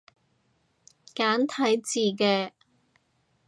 簡體字嘅